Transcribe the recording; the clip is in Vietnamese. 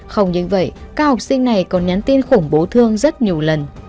không những vậy các học sinh này còn nhắn tin khủng bố thương rất nhiều lần